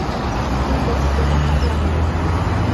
Un gos corre per la neu.